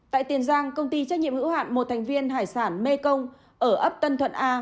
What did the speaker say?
tại tiền giang công ty trách nhiệm hữu hạn một thành viên hải sản mê công ở ấp tân thuận a